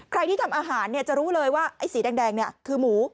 ใครที่ทำอาหารจะรู้เลยว่าไอ้สีแดงคือหมู